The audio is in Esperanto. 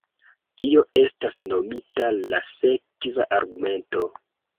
Tio estas nomita la sekva argumento.